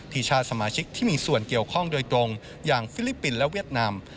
ชาติสมาชิกที่มีส่วนเกี่ยวข้องโดยตรงอย่างฟิลิปปินส์และเวียดนาม